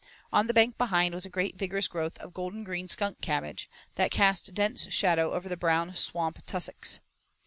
On the bank behind was a great vigorous growth of golden green skunk cabbage, that cast dense shadow over the brown swamp tussocks.